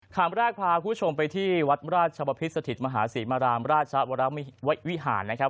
คำแรกพาคุณผู้ชมไปที่วัดราชบพิษสถิตมหาศรีมารามราชวรวิหารนะครับ